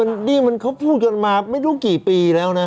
อันนี้มันเขาพูดกันมาไม่รู้กี่ปีแล้วนะ